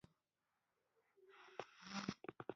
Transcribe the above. انسان داسې څه وټاکي چې له جینونو تکثیر سره ملتیا وکړي.